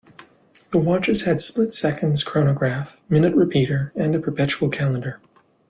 The watches had split seconds chronograph, minute repeater, and a perpetual calendar.